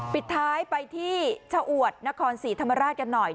ปิดท้ายไปที่ชะอวดนครศรีธรรมราชกันหน่อย